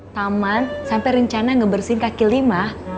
taman sampai rencana ngebersihin kaki lima